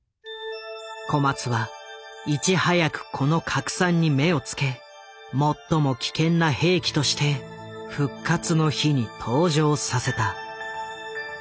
小松はいち早くこの核酸に目を付け最も危険な兵器として「復活の日」に登場させた。